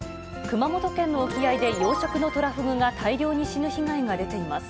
熊本県の沖合で養殖のトラフグが大量に死ぬ被害が出ています。